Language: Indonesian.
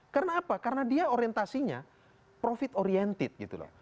karena apa karena dia orientasinya profit oriented gitu loh